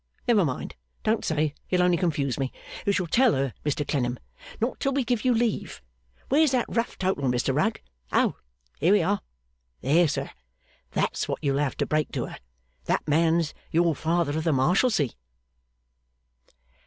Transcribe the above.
Never mind. Don't say. You'll only confuse me. You shall tell her, Mr Clennam. Not till we give you leave. Where's that rough total, Mr Rugg? Oh! Here we are! There sir! That's what you'll have to break to her. That man's your Father of the Marshalsea!